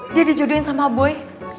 dia di jodohin sama boy